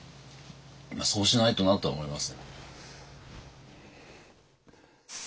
そうしないとなとは思います。